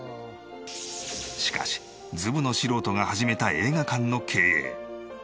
しかしズブの素人が始めた映画館の経営